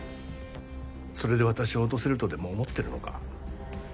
それで私を落とせるとでも思ってるのか？